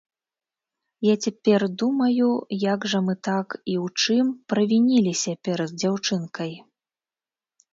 Я цяпер думаю, як жа мы так і ў чым правініліся перад дзяўчынкай?